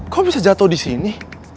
kok bisa jatoh disini